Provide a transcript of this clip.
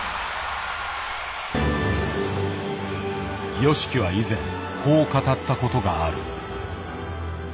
ＹＯＳＨＩＫＩは以前こう語ったことがある。